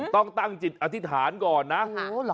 ต้องตั้งจิตอธิษฐานก่อนนะ